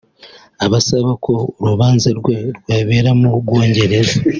asaba ko urubanza rwe rwabera mu Bwongereza